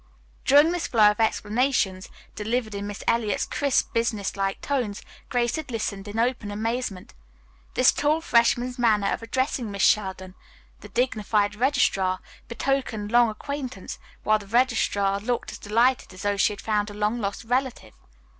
During this flow of explanations, delivered in Miss Eliot's crisp, business like tones, Grace had listened in open amazement. This tall freshman's manner of addressing Miss Sheldon, the dignified registrar, betokened long acquaintance, while the registrar looked as delighted as though she had found a long lost relative.